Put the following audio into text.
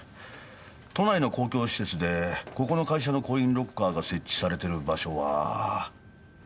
都内の公共施設でここの会社のコインロッカーが設置されてる場所は。